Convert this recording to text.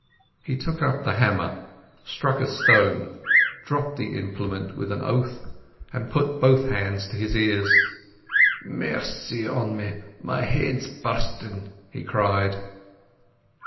He took up the hammer, struck a stone, dropped the implement with an oath, and put both hands to his ears. "Mercy on me! My heid's burstin'!" he cried.